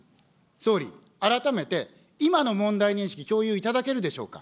総理、改めて今の問題認識、共有いただけるでしょうか。